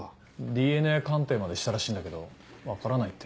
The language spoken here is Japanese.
ＤＮＡ鑑定までしたらしいんだけど分からないって。